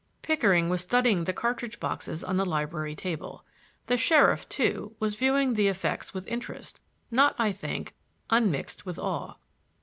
Pickering was studying the cartridge boxes on the library table. The sheriff, too, was viewing these effects with interest not, I think, unmixed with awe.